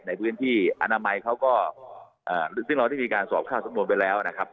ในพื้นที่อนามัยเขาก็ซึ่งเราได้มีการสอบเข้าสำนวนไปแล้วนะครับ